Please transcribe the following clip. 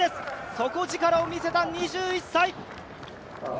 底力をみせた２１歳。